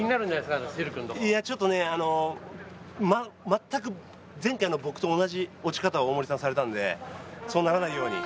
全く前回の僕と同じ落ち方を大森さんされたので、そうならないように。